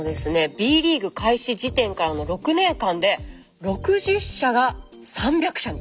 Ｂリーグ開始時点からの６年間で６０社が３００社に。